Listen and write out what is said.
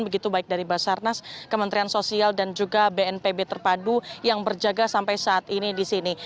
begitu baik dari basarnas kementerian sosial dan juga bnpb terpadu yang berjaga sampai saat ini di sini